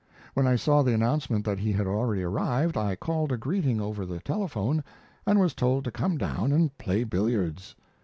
When I saw the announcement that he had already arrived I called a greeting over the telephone, and was told to come down and play billiards.